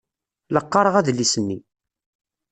La qqaṛeɣ adlis-nni.